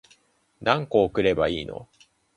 何個送ればいいの